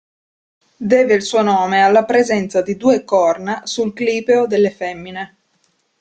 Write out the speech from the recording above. Deve il suo nome alla presenza di due "corna" sul clipeo delle femmine.